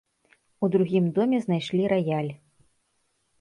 У другім доме знайшлі раяль.